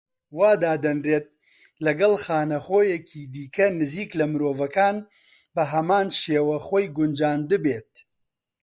وا دادەنرێت، لەگەڵ خانەخوێیەکی دیکە نزیک لە مرۆڤەکان بە هەمان شێوە خۆی گونجاندبێت.